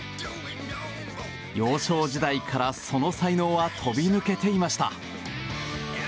幼少時代からその才能はとび抜けていました。